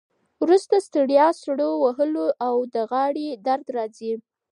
وروسته ستړیا، سړو وهلو او د غاړې درد راځي.